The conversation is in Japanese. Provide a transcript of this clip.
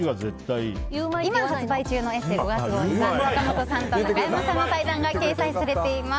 今、発売中の「ＥＳＳＥ」５月号には坂本さんと中山さんの対談が掲載されています。